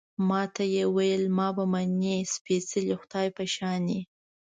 ما ته يې ویل، ما به منې، سپېڅلي خدای په شانې